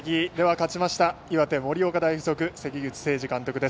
勝ちました岩手、盛岡大付属関口清治監督です。